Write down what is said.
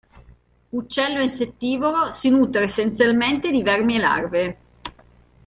Uccello insettivoro, si nutre essenzialmente di vermi e larve.